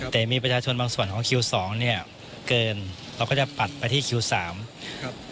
แต่มีประชาชนบางส่วนของคิวสองเนี่ยเกินเราก็จะปัดไปที่คิวสามครับ